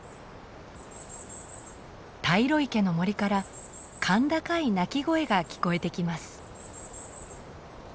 大路池の森から甲高い鳴き声が聞こえてきます。